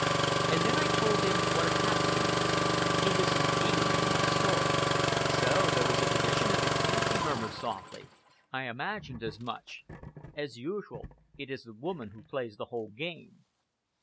And then I told him what had happened to me. He listened eagerly to my story. "So there is a division in the camp," he murmured softly. "I imagined as much. As usual, it is the woman who plays the whole game."